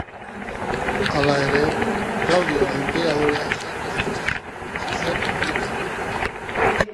Halere, Klaudio enperadorea izatez ez zen militarra.